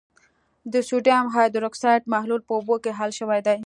د سوډیم هایدروکسایډ محلول په اوبو کې حل شوی دی.